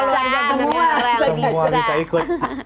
semua bisa ikut